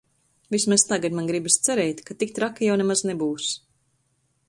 Vismaz tagad man gribas cerēt, ka tik traki jau nemaz nebūs.